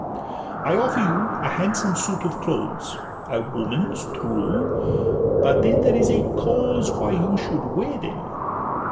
'I offer you a handsome suit of clothes: A woman's, true; but then there is a cause Why you should wear them.